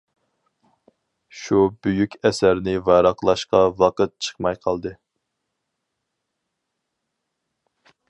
شۇ بۈيۈك ئەسەرنى ۋاراقلاشقا ۋاقىت چىقماي قالدى.